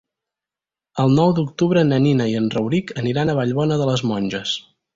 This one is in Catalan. El nou d'octubre na Nina i en Rauric aniran a Vallbona de les Monges.